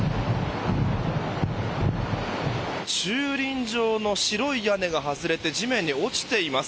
駐輪場の白い屋根が外れて、地面に落ちています。